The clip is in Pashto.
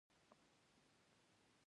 غنم د افغانستان تر ټولو مهمه غله ده.